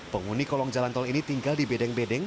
penghuni kolong jalan tol ini tinggal di bedeng bedeng